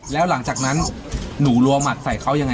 แล้วหลังจากนั้นหนูรัวหมัดใส่เขายังไง